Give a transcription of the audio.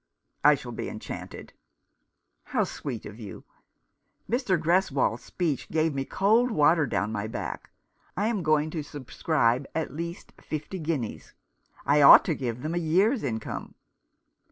" I shall be enchanted." " How sweet of you ! Mr. Greswold's speech gave me cold water down my back. I am going to subscribe at least fifty guineas. I ought to give them a year's income."